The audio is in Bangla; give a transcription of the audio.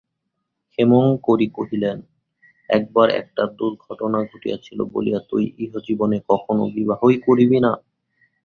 ক্ষেমংকরী কহিলেন, একবার একটা দুর্ঘটনা ঘটিয়াছিল বলিয়া তুই ইহজীবনে কখনো বিবাহই করিবি না?